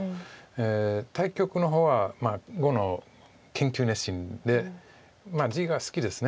対局の方は碁の研究熱心で地が好きです。